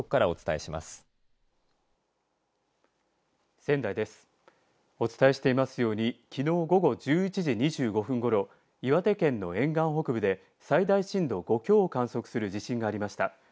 お伝えしていますようにきのう午後１１時２５分ごろ岩手県の沿岸北部で最大震度５強を観測する地震がありました。